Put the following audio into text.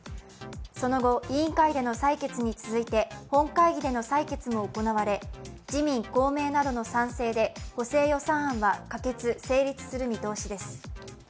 その後、委員会での採決に続いて本会議での採決も行われ自民・公明などの賛成で補正予算案は可決・成立する見通しです。